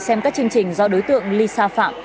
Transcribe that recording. xem các chương trình do đối tượng lisa phạm